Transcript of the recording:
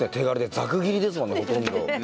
ざく切りですもんねほとんど。